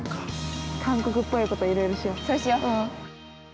◆韓国っぽいこといろいろしよ。